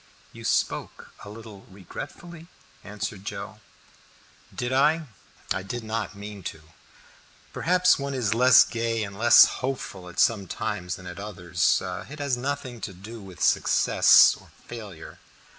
"You spoke a little regretfully," answered Joe. "Did I? I did not mean to. Perhaps one is less gay and less hopeful at some times than at others. It has nothing to do with success or failure."